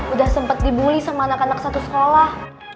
udah sempat dibully sama anak anak satu sekolah